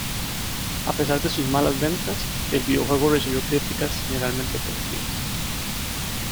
A pesar de sus malas ventas, el videojuego recibió críticas generalmente positivas.